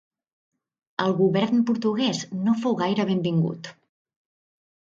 El govern portuguès no fou gaire benvingut.